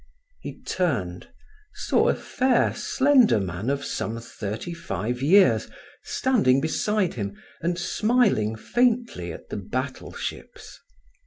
He turned, saw a fair, slender man of some thirty five years standing beside him and smiling faintly at the battleships.